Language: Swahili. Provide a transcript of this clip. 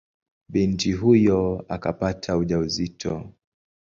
Binti huyo akapata ujauzito.